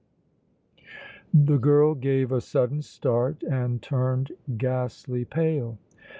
The girl gave a sudden start and turned ghastly pale.